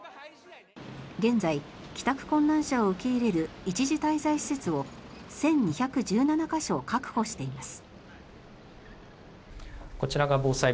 現在、帰宅困難者を受け入れる一時滞在施設を１２１７か所確保しています。